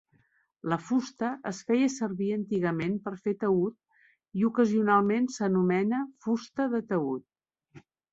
La fusta es feia servir antigament per fer taüt i ocasionalment s'anomena "fusta de taüt".